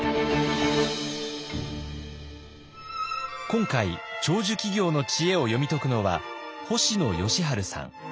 今回長寿企業の知恵を読み解くのは星野佳路さん。